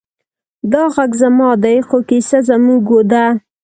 دا غږ زما دی، خو کیسه زموږ ده.